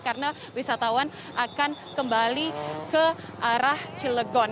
karena wisatawan akan kembali ke